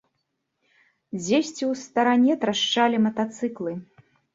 Дзесьці ў старане трашчалі матацыклы.